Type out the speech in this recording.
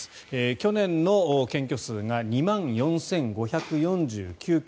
去年の検挙数が２万４５４９件。